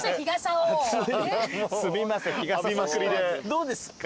どうですか？